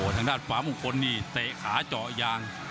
ทางด้านขวามงคลนี่เตะขาเจาะยาง